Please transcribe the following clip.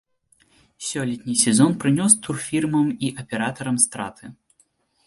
Сёлетні сезон прынёс турфірмам і аператарам страты.